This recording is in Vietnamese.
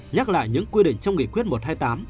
nhắc lại những quy định trong nghị quyết một trăm hai mươi tám